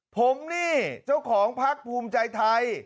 ผมนี่เจ้าของพักภูมิใจไทย